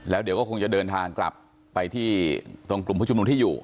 แล้วเดี๋ยวก็คงจะเดินทางกลับไปที่ตรงกลุ่มผู้ชุมนุมที่อยู่